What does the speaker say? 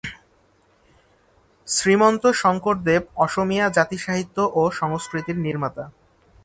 শ্রীমন্ত শঙ্করদেব অসমীয়া জাতি-সাহিত্য ও সংস্কৃতির নির্মাতা।